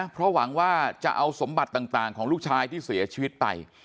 เพราะหวังว่าจะเอาสมบัติต่างของลูกชายที่เสียชีวิตไป